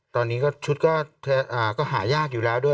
ตอนนี้ก็ชุดก็หายากอยู่แล้วด้วย